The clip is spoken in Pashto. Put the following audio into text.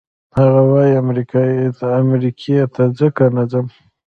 هغه وايي امریکې ته ځکه نه ځم.